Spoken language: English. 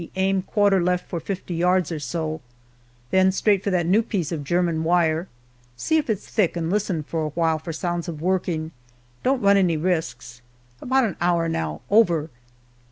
Aim quarter left for fifty yards or so, 8l G2 Then Straight for that new piece of German wire; See ififs thick, and liSienfor a while For sounds of working; don^t run any risks; j4bout an hour; now, over!"